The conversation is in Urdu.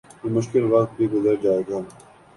یہ مشکل وقت بھی گزر جائے گا